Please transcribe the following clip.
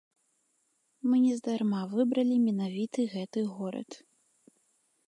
Мы нездарма выбралі менавіты гэты горад.